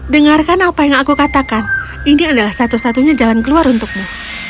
dengarkan apa yang aku katakan ini adalah satu satunya jalan keluar untukmu